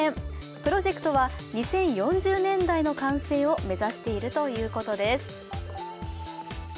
プロジェクトは２０４０年代の完成を目指しているということです。